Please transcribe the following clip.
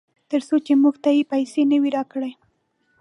ترڅو چې موږ ته یې پیسې نه وي راکړې.